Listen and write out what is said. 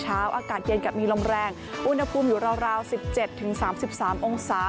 อากาศเย็นกับมีลมแรงอุณหภูมิอยู่ราว๑๗๓๓องศา